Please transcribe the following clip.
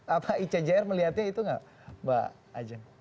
apa icjr melihatnya itu enggak mbak ajan